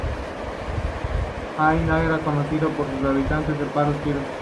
Hain era conocido por su habilidad de parar tiros.